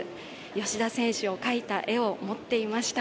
吉田選手を描いた絵を持っていました。